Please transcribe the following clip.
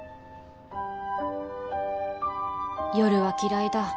夜は嫌いだ